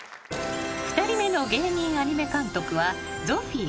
［２人目の芸人アニメ監督は］